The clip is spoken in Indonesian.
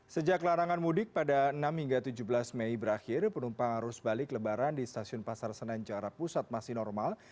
sejak larangan mudik pada enam hingga tujuh belas mei berakhir penumpang arus balik lebaran di stasiun pasar senen jarak pusat masih normal